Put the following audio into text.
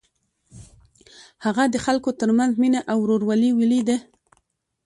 هغه د خلکو تر منځ مینه او ورورولي ولیده.